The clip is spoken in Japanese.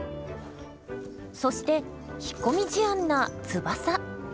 そして引っ込み思案なつばさ。